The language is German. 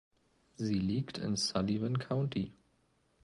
Sie liegt in Sullivan County.